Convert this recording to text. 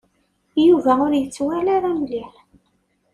Yuba ur yettwali ara mliḥ.